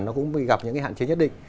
nó cũng bị gặp những hạn chế nhất định